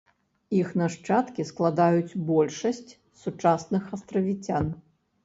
Іх нашчадкі складаюць большасць сучасных астравіцян.